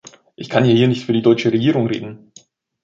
Ich kann ja hier nicht für die deutsche Regierung reden.